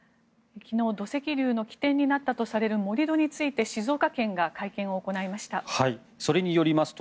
昨日、土石流の起点になったとされる盛り土について静岡県が会見を行いました。